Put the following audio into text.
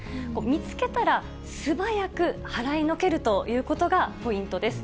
見つけたら素早く払いのけるということがポイントです。